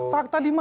fakta di mana